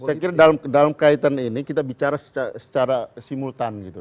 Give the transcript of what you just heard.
saya kira dalam kaitan ini kita bicara secara simultan gitu